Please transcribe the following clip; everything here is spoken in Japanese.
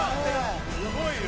すごいよ。